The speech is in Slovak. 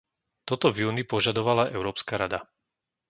Toto v júni požadovala Európska rada.